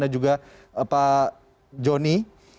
dan juga pak joni